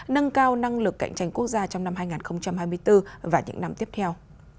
nâng cao năng lực cạnh tranh quốc gia trong năm hai nghìn hai mươi bốn và những năm tiếp theo